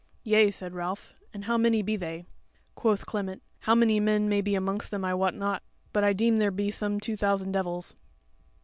"Yea," said Ralph, "and how many be they?" Quoth Clement: "How many men may be amongst them I wot not, but I deem there be some two thousand devils."